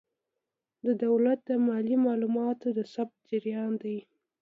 دا د دولت د مالي معاملاتو د ثبت جریان دی.